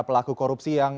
terima kasih pak